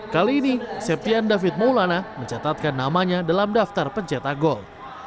kali ini septian david maulana mencatatkan namanya dalam daftar pencetak gol